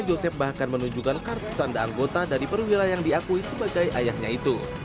joseph bahkan menunjukkan kartu tanda anggota dari perwira yang diakui sebagai ayahnya itu